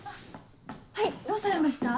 はいどうされました？